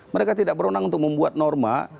mereka tidak berwenang untuk membuat norma